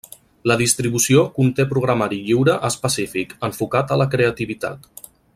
La distribució conté programari lliure específic, enfocat a la creativitat.